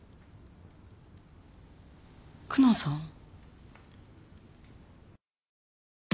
久能さん？